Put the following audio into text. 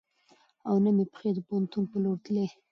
او نه مې پښې د پوهنتون په لور تلې .